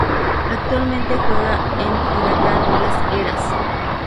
Actualmente juega en Huracán Las Heras.